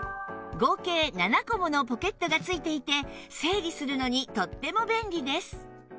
合計７個ものポケットが付いていて整理するのにとっても便利です